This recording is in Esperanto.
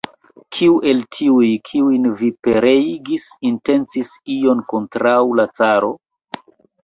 Kiu el tiuj, kiujn vi pereigis, intencis ion kontraŭ la caro?